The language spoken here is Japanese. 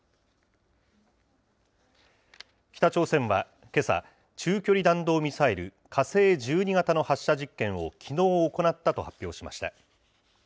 北朝鮮はけさ、中距離弾道ミサイル、火星１２型の発射実験をきのう行ったと発表しました。